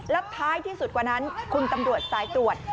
แล้วท้ายที่สุดกว่านั้นคุณตำรวจสายตรวจ